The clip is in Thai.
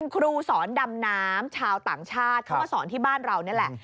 ครูสอนดำน้ำชาวต่างชาติเขามาสอนที่บ้านเรานี่แหละ